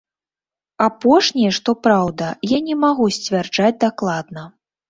Апошняе, што праўда, я не магу сцвярджаць дакладна.